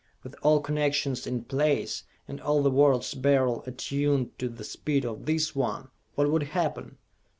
With all connections in place, and all the world's Beryls attuned to the speed of this one what would happen?